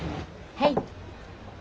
はい。